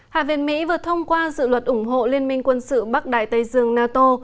hạ viện mỹ vừa thông qua dự luật ủng hộ liên minh quân sự bắc đại tây dương nato